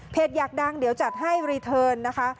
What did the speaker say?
อยากดังเดี๋ยวจัดให้รีเทิร์นนะคะ